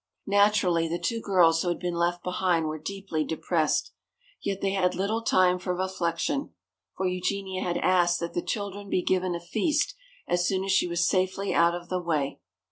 Naturally the two girls who had been left behind were deeply depressed. Yet they had little time for reflection. For Eugenia had asked that the children be given a feast as soon as she was safely out of the way.